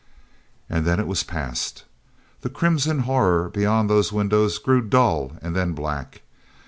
nd then it was past. The crimson horror beyond those windows grew dull and then black.